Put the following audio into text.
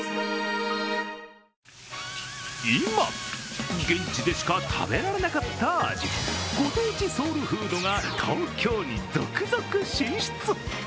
今、現地でしか食べられなかった味、ご当地ソウルフードが東京に続々進出。